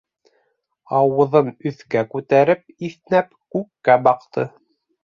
Ауыҙын өҫкә күтәреп, иҫнәп, күккә баҡты.